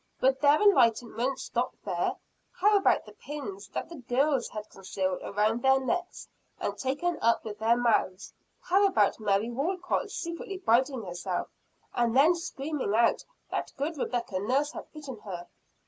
Would their enlightenment stop there? How about the pins that the girls had concealed around their necks, and taken up with their mouths? How about Mary Walcot secretly biting herself, and then screaming out that good Rebecca Nurse had bitten her?